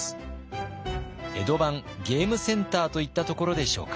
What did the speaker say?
江戸版ゲームセンターといったところでしょうか。